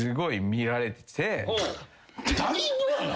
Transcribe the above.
だいぶやな。